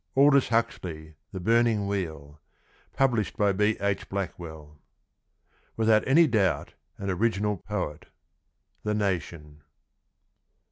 Aldous Huxley. THE BURNING WHEEL. Published by B. H. Blackwell. Without any doubt an original poet. — The Nation.